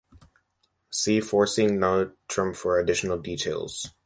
See Forcing notrump for additional details.